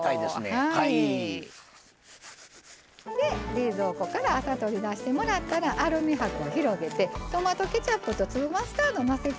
冷蔵庫から朝取り出してもらったらアルミ箔を広げてトマトケチャップと粒マスタードをのせて下さい。